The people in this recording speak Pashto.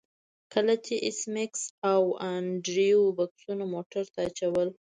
کله چې ایس میکس او انډریو بکسونه موټر ته اچول